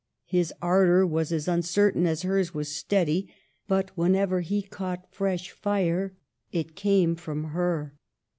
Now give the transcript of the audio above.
His ardor was as uncertain as hers was steady ; but whenever he caught fresh fire, it came from her.